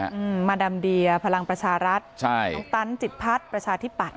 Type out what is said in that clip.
อืมมาดามเดียพลังประชารัฐใช่น้องตันจิตพัฒน์ประชาธิปัตย